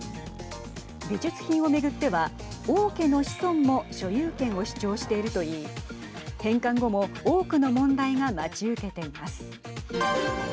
美術品を巡っては王家の子孫も所有権を主張していると言い返還後も多くの問題が待ち受けています。